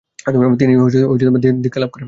তিনি দীক্ষালাভ করেন।